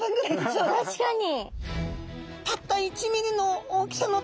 確かに。